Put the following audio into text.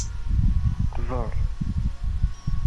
Qbeṛ.